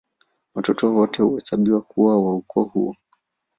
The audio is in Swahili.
Watoto wote huhesabiwa kuwa wa ukoo huo